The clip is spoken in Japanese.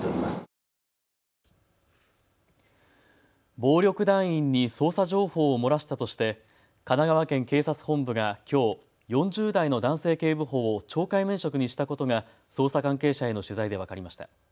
暴力団員に捜査情報を漏らしたとして神奈川県警察本部がきょう４０代の男性警部補を懲戒免職にしたことが捜査関係者への取材で分かりました。